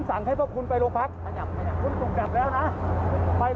ผมสั่งให้คุณไปลงพักคุณไปไหม